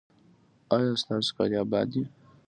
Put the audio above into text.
ایا ستاسو کلی اباد دی؟